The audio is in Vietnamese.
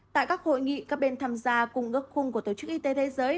tại các hội nghị các bên tham gia cùng ước khung của tổ chức y tế thế giới